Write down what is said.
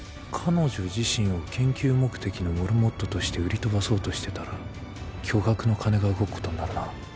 彼女自身を研究目的のモルモットとして売り飛ばそうとしてたら巨額の金が動くことになるな。